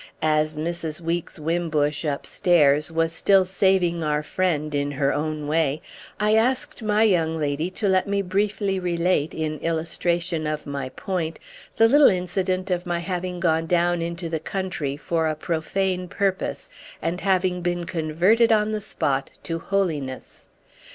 As Mrs. Weeks Wimbush, upstairs, was still saving our friend in her own way, I asked my young lady to let me briefly relate, in illustration of my point, the little incident of my having gone down into the country for a profane purpose and been converted on the spot to holiness.